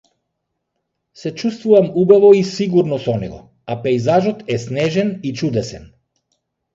Се чувствувам убаво и сигурно со него, а пејзажот е снежен и чудесен.